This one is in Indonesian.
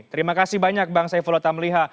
terima kasih banyak bang saiful otamliha